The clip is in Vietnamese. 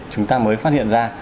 chúng ta mới phát hiện ra